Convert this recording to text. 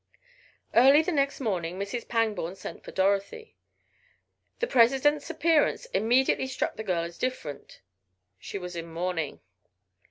Early the next morning Mrs. Pangborn sent for Dorothy. The president's appearance immediately struck the girl as different; she was in mourning.